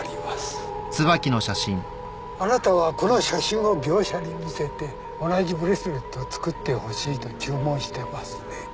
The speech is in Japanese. あなたはこの写真を業者に見せて同じブレスレットを作ってほしいと注文してますね。